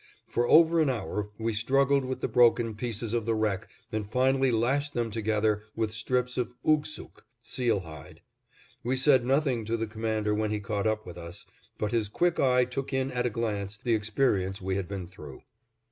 For over an hour we struggled with the broken pieces of the wreck and finally lashed them together with strips of oog sook (seal hide). We said nothing to the Commander when he caught up with us, but his quick eye took in at a glance the experience we had been through.